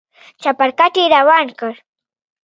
چپرکټ يې روان کړ.